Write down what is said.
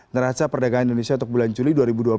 neraca perdagangan indonesia untuk bulan juli dua ribu dua puluh